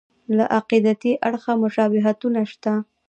له عقیدتي اړخه مشابهتونه شته.